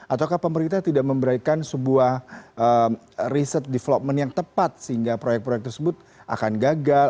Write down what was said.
ataukah pemerintah tidak memberikan sebuah riset development yang tepat sehingga proyek proyek tersebut akan gagal